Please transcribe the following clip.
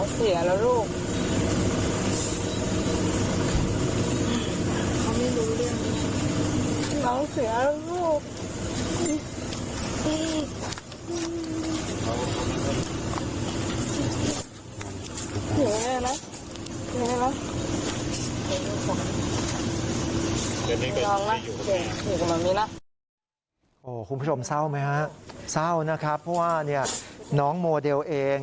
คุณผู้ชมเศร้าไหมฮะเศร้านะครับเพราะว่าน้องโมเดลเอง